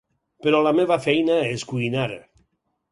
Però la meva feina és cuinar.